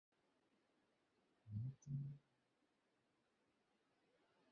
যদি এখনও সেখানে অবস্থান করবেন, আপনাদের মৃত্যু অবধারিত।